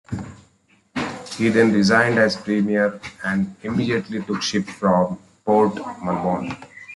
He then resigned as Premier and immediately took ship from Port Melbourne.